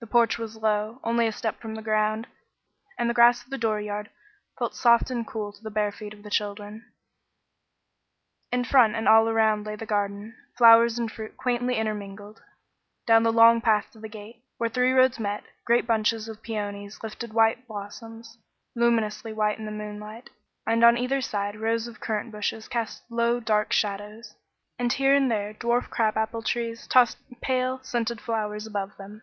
The porch was low, only a step from the ground, and the grass of the dooryard felt soft and cool to the bare feet of the children. In front and all around lay the garden flowers and fruit quaintly intermingled. Down the long path to the gate, where three roads met, great bunches of peonies lifted white blossoms luminously white in the moonlight; and on either side rows of currant bushes cast low, dark shadows, and here and there dwarf crab apple trees tossed pale, scented flowers above them.